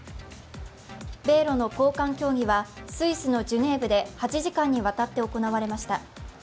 米ロの高官協議はスイスのジュネーブで８時間にわたって行われました。